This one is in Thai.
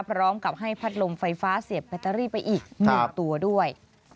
พร้อมกับให้พัดลมไฟฟ้าเสียบแบตเตอรี่ไปอีก๑ตัวด้วย